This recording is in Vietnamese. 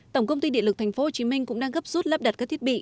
tổng công ty địa lực tp hcm cũng đang gấp rút lắp đặt các thiết bị